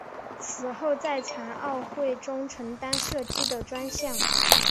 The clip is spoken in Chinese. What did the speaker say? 此后在残奥会中承担射击的专项。